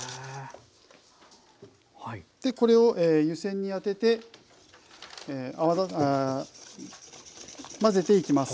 これを湯煎に当てて混ぜていきます。